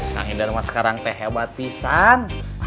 kang idan rumah sekarang teh hebat pisan